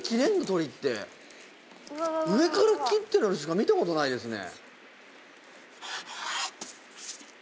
鶏って上から切ってるあれしか見たことないですね